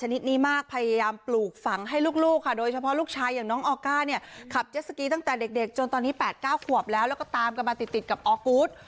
นิดนี้มากพยายามปลูกฝังให้ลูกค่ะโดยเฉพาะลูกชายอย่างน้องออก้าเนี่ยขับเจ็ดสกีตั้งแต่เด็กจนตอนนี้๘๙ขวบแล้วแล้วก็ตามกันมาติดติดกับออกูธ